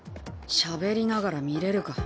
しゃべりながら見れるか。